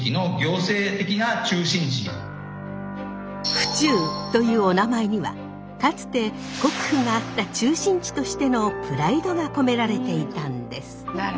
府中というお名前にはかつて国府があった中心地としてのプライドが込められていたんです。